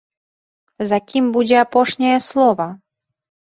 За кім будзе апошняе слова?